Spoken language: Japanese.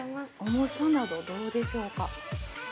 ◆重さなど、どうでしょうか。